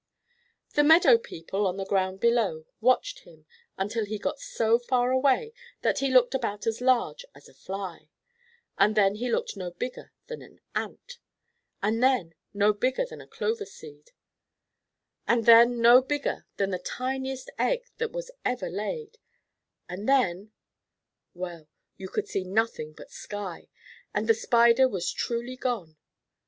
The meadow people, on the ground below, watched him until he got so far away that he looked about as large as a Fly, and then he looked no bigger than an Ant, and then no bigger than a clover seed, and then no bigger than the tiniest egg that was ever laid, and then well, then you could see nothing but sky, and the Spider was truly gone.